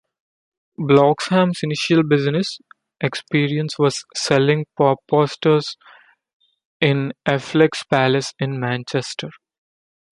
Bloxham's initial business experience was selling pop posters in Affleck's Palace in Manchester.